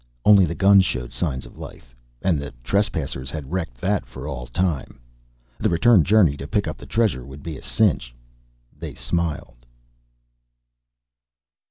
Only the gun showed signs of life ... and the trespassers had wrecked that for all time. The return journey to pick up the treasure would be a cinch ... they smiled.